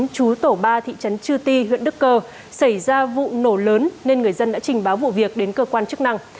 chú tổ ba thị trấn chư ti huyện đức cơ xảy ra vụ nổ lớn nên người dân đã trình báo vụ việc đến cơ quan chức năng